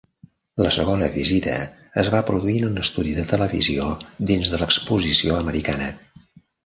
La segona visita es va produir en un estudi de televisió dins de l'exposició americana.